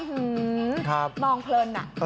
อื้อหือมองเพลินอ่ะ